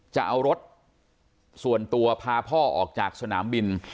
จะเอารถส่วนตัวพาพ่อออกจากสนามบิน